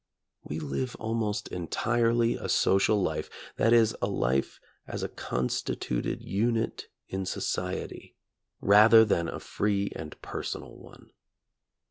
We live almost entirely a social life, that is, a life as a constituted unit in society, rather than a free and personal one.